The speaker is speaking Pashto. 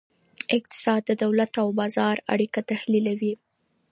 اقتصاد د دولت او بازار اړیکه تحلیلوي.